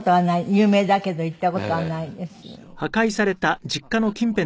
有名だけど行った事はないです。